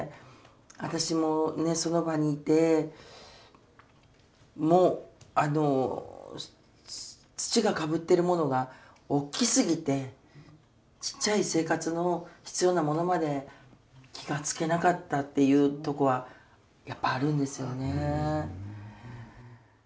私もその場にいてもうあの土がかぶってるものが大きすぎてちっちゃい生活の必要なものまで気が付けなかったっていうとこはやっぱあるんですよね。